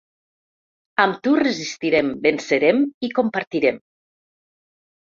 Amb tu resistirem, vencerem i compartirem .